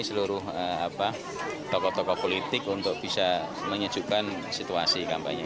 seluruh tokoh tokoh politik untuk bisa menyejukkan situasi kampanye